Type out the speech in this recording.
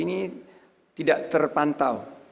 ini tidak terpantau